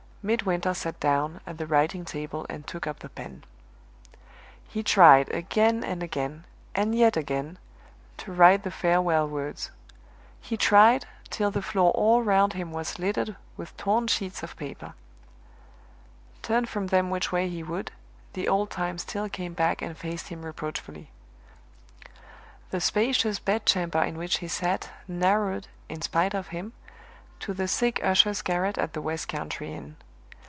Midwinter sat down at the writing table and took up the pen. He tried again and again, and yet again, to write the farewell words; he tried, till the floor all round him was littered with torn sheets of paper. Turn from them which way he would, the old times still came back and faced him reproachfully. The spacious bed chamber in which he sat, narrowed, in spite of him, to the sick usher's garret at the west country inn.